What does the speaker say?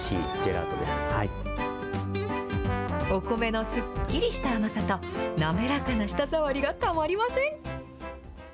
お米のすっきりした甘さと、滑らかな舌触りがたまりません。